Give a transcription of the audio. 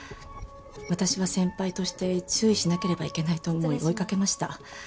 私は先輩として注意しなければいけないと思い追いかけました。